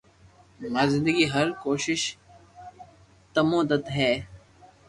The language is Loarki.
ماري زندگي ھر ڪوݾݾ تمو نت ھي